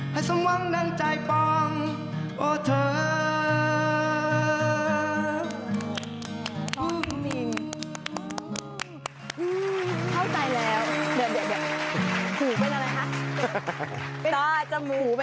ให้สมวังดังใจฟองโอ้เธอ